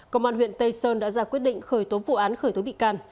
công an huyện tây sơn đã ra quyết định khởi tố vụ án khởi tố bị can